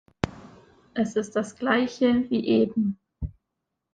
Es ist das gleiche wie eben.